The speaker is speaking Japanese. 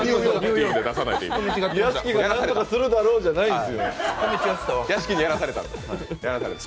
屋敷が何とかするだろうじゃないんですよ。